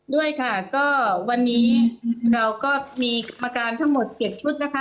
ด้วยค่ะก็วันนี้เราก็มีกรรมการทั้งหมด๗ชุดนะคะ